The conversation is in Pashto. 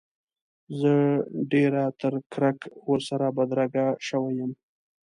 زه ډېره تر کرک ورسره بدرګه شوی یم.